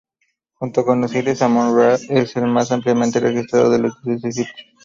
Junto con Osiris, Amon-Ra es el más ampliamente registrado de los dioses egipcios.